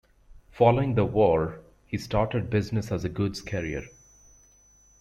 Following the war, he started business as a goods carrier.